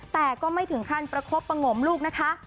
แต่ก็ไม่ถึงขั้นประคบประงมลูกนะคะ